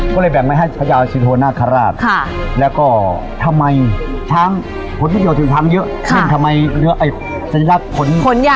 ก็เลยแบ่งมาให้พญาสิทธิ์โทนาคาราชแล้วก็ทำไมขนมันช้างเยอะทำไมสันลักษณ์ขนใหญ่เนื้อนิดเดียว